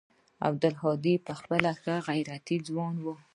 عبدالهادي پخپله ښه غيرتي ځوان و.